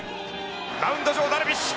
マウンド上ダルビッシュ。